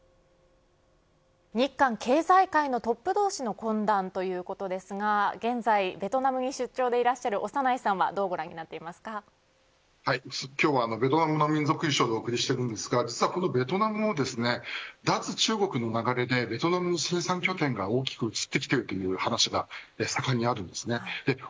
日韓経済界のトップ同士の懇談ということですが現在、ベトナムに出張でいらっしゃる長内さんは今日はベトナムの民族衣装でお送りしていますがベトナムにも脱中国の流れで生産拠点が大きく移ってきているという話があります。